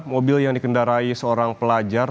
mobil yang dikendarai seorang pelajar